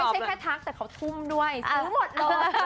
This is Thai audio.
ไม่ใช่แค่ทักแต่เขาทุ่มด้วยซื้อหมดเลย